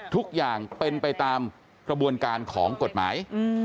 ทุกอย่างเป็นไปตามกระบวนการของกฎหมาย